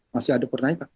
masih ada pernaikan